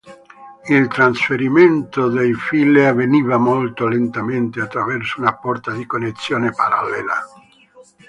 Il trasferimento dei file avveniva molto lentamente attraverso una porta di connessione parallela.